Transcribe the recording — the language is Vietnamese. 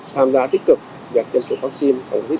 tham gia tích cực nhận tiêm chủng vaccine covid một mươi chín